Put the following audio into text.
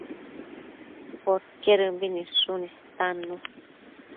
Podquedëmbi nidshun istannu